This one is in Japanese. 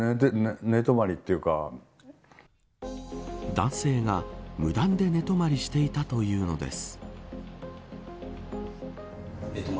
男性が無断で寝泊りしていたというのです。